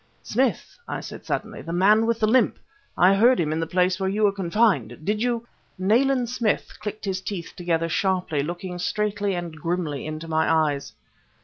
"Smith," I said suddenly, "the man with the limp! I heard him in the place where you were confined! Did you ..." Nayland Smith clicked his teeth together sharply, looking straightly and grimly into my eyes.